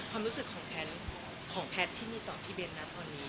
ความรู้สึกของแพทย์ที่มีต่อพี่เบ้นนัดตอนนี้